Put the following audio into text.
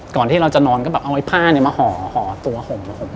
ก่อนที่เราจะนอนก็แบบเอาไอ้ผ้าเนี่ยมาห่อห่อตัวห่ม